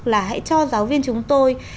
là hãy cho giáo viên chúng tôi